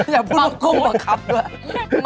อย่าพูดว่ากุ้มบังคับด้วย